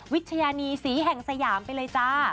ชญานีสีแห่งสยามไปเลยจ้า